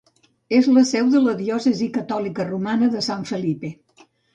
És la seu de la diòcesi catòlica romana de San Felipe.